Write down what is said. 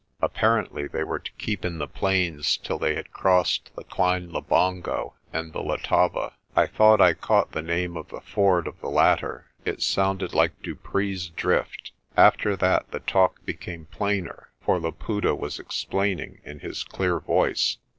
Appar ently they were to keep in the plains till they had crossed the Klein Labongo and the Letaba. I thought I caught the name of the ford of the latter; it sounded like Dupree's Drift. After that the talk became plainer, for Laputa was 120 PRESTER JOHN explaining in his clear voice.